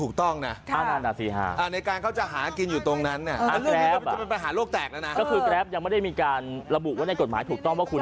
เขาก็ขึ้นทะเบียนถูกต้องน่ะ